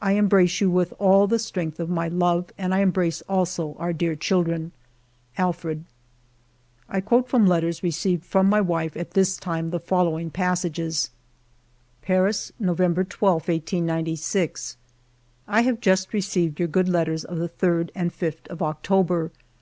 I em brace you with all the strength of my love and I embrace also our dear children. Alfred." I quote from letters received from my wife at this time the following passages :—*' Paris, November 12, 1896. " I have just received your good letters of the 3d and 5th of October.